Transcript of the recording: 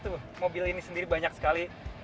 tuh mobil ini sendiri banyak sekali